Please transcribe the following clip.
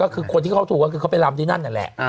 ก็คือคนที่เขาถูกก็คือเขาไปลำที่นั่นนั่นแหละ